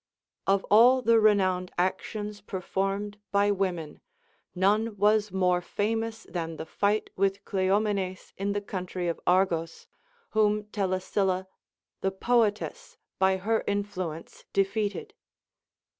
Of all the renowned actions performed by women, none w^as more famous than the fight with Cleomenes in the country of Argos, whom Telesilla the poetess by her in fluence defeated.